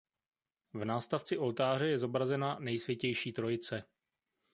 V nástavci oltáře je zobrazena "Nejsvětější Trojice".